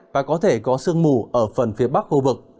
và có thể có sương mù ở phần phía bắc khu vực